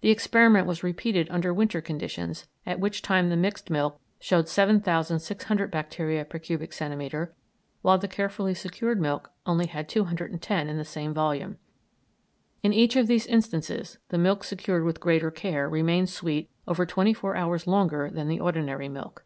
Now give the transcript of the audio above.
The experiment was repeated under winter conditions, at which time the mixed milk showed 7,600 bacteria per cubic centimetre, while the carefully secured milk only had 210 in the same volume. In each of these instances the milk secured with greater care remained sweet over twenty four hours longer than the ordinary milk."